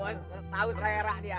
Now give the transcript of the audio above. bos tau sererak dia